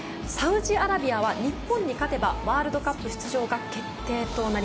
サウジアラビアは、日本に勝てばワールドカップ出場が決定。